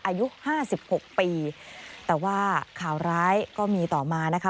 อายุ๕๖ปีแต่ว่าข่าวร้ายก็มีต่อมานะคะ